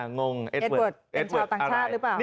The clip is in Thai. งงเอ็ดเวิร์ดเป็นชาวต่างชาติหรือเปล่าเอ็ดเวิร์ดอะไร